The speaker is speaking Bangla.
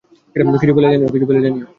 কিছু পেলে জানিও।